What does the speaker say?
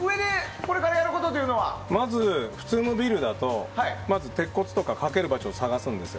普通のビルだとまず鉄骨とか、かける場所を探すんですよ。